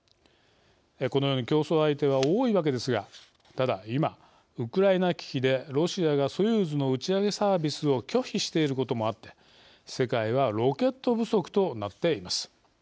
このように競争相手は多いわけですがただ、今、ウクライナ危機でロシアがソユーズの打ち上げサービスを拒否していることもあって世界はロケット不足となっています。